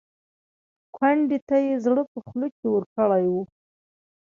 کونډې ته یې زړه په خوله کې ورکړی و.